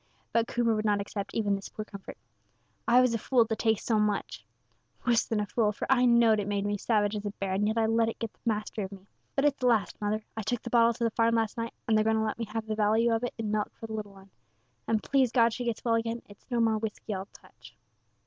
But Coomber would not accept even this poor comfort. "I was a fool to take so much," he said. "Wus than a fool, for I knowed it made me savage as a bear; and yet I let it get the mastery of me. But it's the last, mother; I took the bottle to the farm last night, and they're going to let me have the value of it in milk for the little 'un, and please God she gets well again, it's no more whisky I'll touch."